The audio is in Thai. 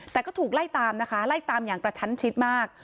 แต่ก็ถูกไล่ตามนะคะไล่ตามอย่างกระชั้นชิดมาก